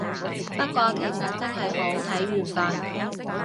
不過其實真係好睇緣份